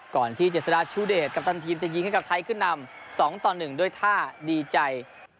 ก่อนที่เจษฎาชูเดชกัปตันทีมจะยิงให้กับไทยขึ้นนำ๒ต่อ๑ด้วยท่าดีใจ